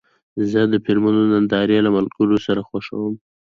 زه د فلمونو نندارې له ملګرو سره خوښوم.